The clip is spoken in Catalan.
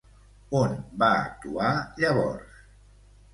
On va actuar llavors?